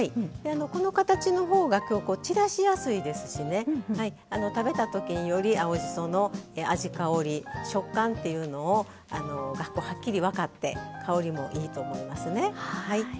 この形のほうが散らしやすいですし食べたときに、より青じその味、香り食感というのをはっきり分かって香りもいいと思います。